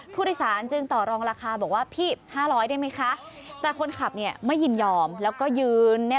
ผู้โดยสารจึงต่อรองราคาบอกว่าพี่๕๐๐ได้ไหมคะ